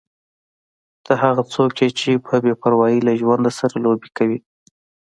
ته هغه څوک یې چې په بې پروايي له ژوند سره لوبې کوې.